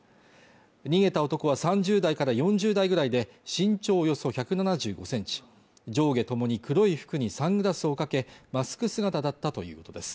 逃げた男は３０代から４０代ぐらいで身長およそ１７５センチ上下ともに黒い服にサングラスをかけマスク姿だったということです